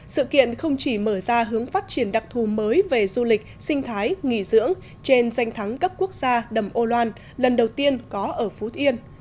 sự kiện không chỉ mở ra hướng phát triển đặc thù mới về du lịch sinh thái nghỉ dưỡng trên danh thắng cấp quốc gia đầm âu loan lần đầu tiên có ở phú yên